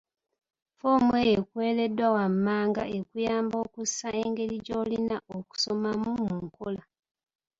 Ffoomu eyo ekuweereddwa wammanga ekuyambako okussa engeri gy'olina okusomamu mu nkola.